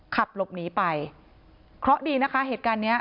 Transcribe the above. ขับหลบหนีไปเคราะห์ดีนะคะเหตุการณ์เนี้ย